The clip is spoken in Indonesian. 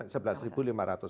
sudah dan gak masalah